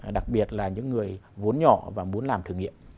đặc biệt là những người vốn nhỏ và muốn làm thử nghiệm